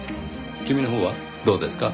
君のほうはどうですか？